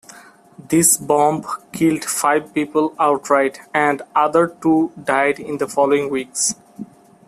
This bomb killed five people outright, and another two died in the following weeks.